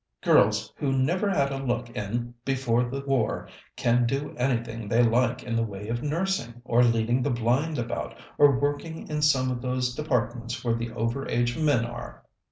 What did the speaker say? Girls who never had a look in before the war can do anything they like in the way of nursing, or leading the blind about, or working in some of those departments where the over age men are.